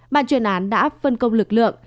ban chuyên án đã phân công lực lượng